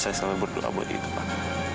saya selalu berdoa buat itu pak